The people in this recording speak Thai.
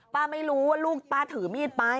ป้าไม่รู้ว่าลูกป้าถือมีดไป